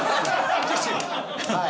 はい。